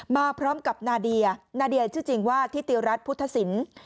มาพร้อมกับนาเดียนาเดียชื่อจริงว่าทิติรัฐพุทธศิลป์